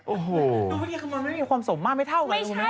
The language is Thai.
โอ้โหมันมีความสมมากไม่เท่ากัน